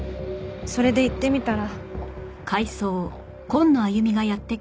それで行ってみたら。